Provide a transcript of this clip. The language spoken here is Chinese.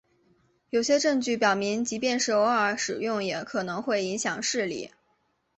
有些证据表明即便是偶尔使用也可能会影响视力。